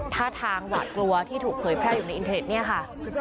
ท่าทางหวาดกลัวที่ถูกเผยแพร่อยู่ในอินเทอร์เนี่ยค่ะ